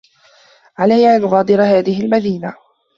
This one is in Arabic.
علي أن أغادر هذه المدينة.